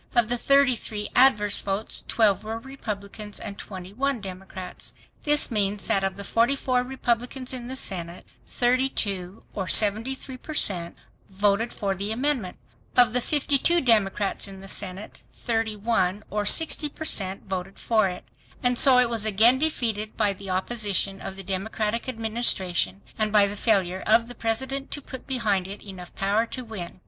Of the 33 adverse votes 12 were Republicans and 21 Democrats. This means that of the 44 Republicans in the Senate, 32 or 73 per cent voted for the amendment. Of the 52 Democrats in the Senate 31 or 60 per cent voted for it. And so it was again defeated by the opposition of the Democratic Administration, and by the failure of the President to put behind it enough power to win.